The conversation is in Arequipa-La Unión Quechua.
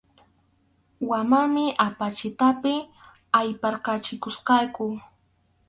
Wamani apachitapi ayparqachikusqaku.